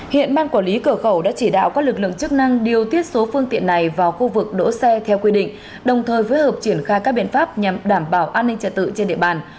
hiện ban quản lý cửa khẩu đã chỉ đạo các lực lượng chức năng điều tiết số phương tiện này vào khu vực đỗ xe theo quy định đồng thời phối hợp triển khai các biện pháp nhằm đảm bảo an ninh trật tự trên địa bàn